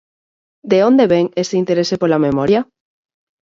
De onde vén ese interese pola memoria?